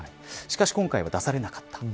しかし今回は出されなかった。